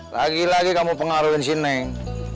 lagi lagi kamu pengaruhin si neng